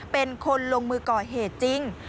เป็นคนลงมือก่อเหตุจริง